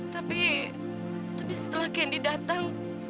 tapi tapi setelah kendi datang